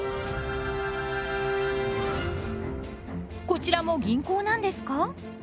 こちらも銀行なんですか？